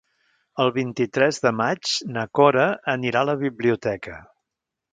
El vint-i-tres de maig na Cora anirà a la biblioteca.